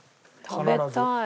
食べたい。